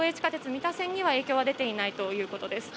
三田線には影響は出ていないということです。